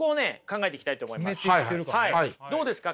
どうですか？